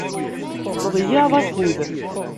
Tettḍeyyiɛeḍ akud.